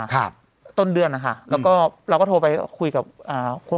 ครับต้นเดือนนะคะแล้วก็เราก็โทรไปคุยกับอ่าคน